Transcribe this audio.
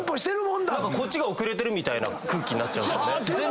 こっちが遅れてるみたいな空気になっちゃうんですよね。